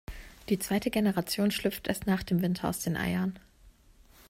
Die zweite Generation schlüpft erst nach dem Winter aus den Eiern.